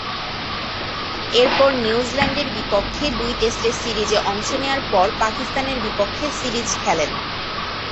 এরপর নিউজিল্যান্ডের বিপক্ষে দুই টেস্টের সিরিজে অংশ নেয়ার পর পাকিস্তানের বিপক্ষে সিরিজ খেলেন।